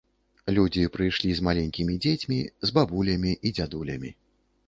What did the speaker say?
Людзі прыйшлі з маленькімі дзецьмі, з бабулямі і дзядулямі.